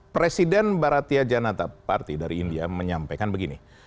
presiden baratia janata parti dari india menyampaikan begini